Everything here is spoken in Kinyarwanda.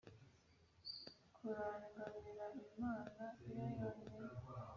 kurangamira Imana yo yonyine.